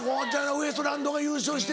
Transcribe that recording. ウエストランドが優勝して。